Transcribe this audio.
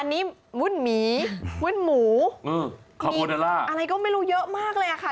อันนี้วุ้นหมีวุ้นหมูมีอะไรก็ไม่รู้เยอะมากเลยค่ะ